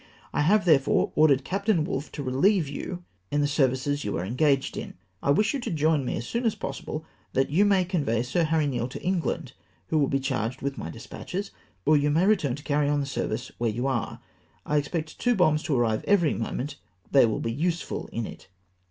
/ have, therefore, ordered Captain Wolfe to relieve you, in the services you are engaged in. I wish you to join me as soon as possible, that you may convey Sir Harry Neale to England, who will be charged with my despatches, or you may return to carry on the service where you are. I expect two bombs to arrive every moment, they will be useful in it.